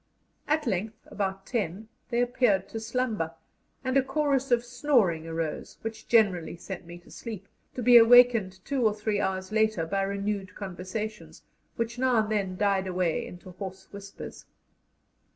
At length, about ten, they appeared to slumber, and a chorus of snoring arose, which generally sent me to sleep, to be awakened two or three hours later by renewed conversations, which now and then died away into hoarse whispers.